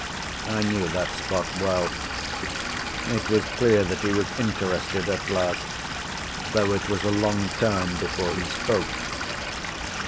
I knew that spot well. It was clear that he was interested at last, though it was a long time before he spoke.